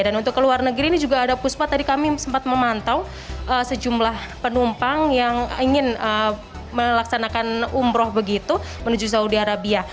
dan untuk ke luar negeri ini juga ada puspa tadi kami sempat memantau sejumlah penumpang yang ingin melaksanakan umroh begitu menuju saudi arabia